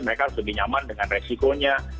mereka harus lebih nyaman dengan resikonya